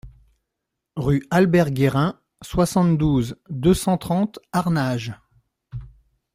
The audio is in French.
Rue Albert Guérin, soixante-douze, deux cent trente Arnage